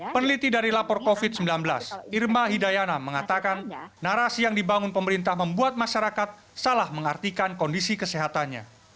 peneliti dari lapor covid sembilan belas irma hidayana mengatakan narasi yang dibangun pemerintah membuat masyarakat salah mengartikan kondisi kesehatannya